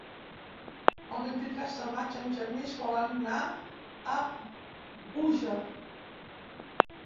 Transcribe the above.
El vint-i-tres de maig en Genís vol anar a Búger.